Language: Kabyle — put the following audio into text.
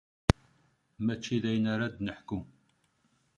Mačči d ayen ara d-neḥku.